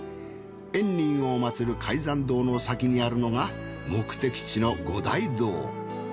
円仁を祀る開山堂の先にあるのが目的地の五大堂。